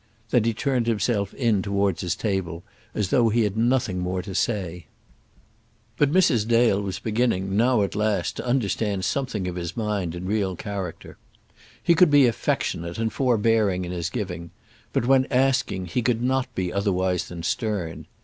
Then he turned himself in towards his table as though he had no more to say. But Mrs. Dale was beginning, now at last, to understand something of his mind and real character. He could be affectionate and forbearing in his giving; but when asking, he could not be otherwise than stern.